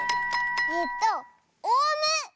えっとオウム！